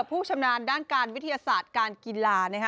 ผู้ชำนาญด้านการวิทยาศาสตร์การกีฬา